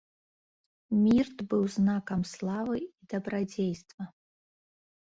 Мірт быў знакам славы і дабрадзействаў.